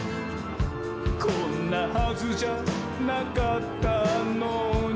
「こんなはずじゃなかったのに」